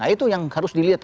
itu yang harus dilihat